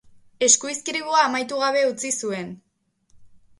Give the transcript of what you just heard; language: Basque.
Eskuizkribua amaitu gabe utzi zuen.